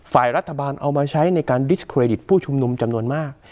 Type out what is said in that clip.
ฝ่ายรัฐบาลเอามาใช้ในการดิสเครดิตผู้ชุมนุมจำนวนมาก